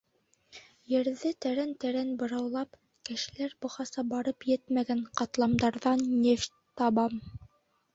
Ерҙе тәрән-тәрән быраулап, кешеләр бығаса барып етмәгән ҡатламдарҙан нефть табам.